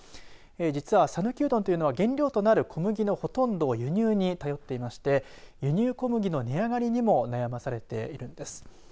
実は讃岐うどんというのは原料となる小麦のほとんどを輸入に頼っていまして輸入小麦の値上がりにも悩まされているんです。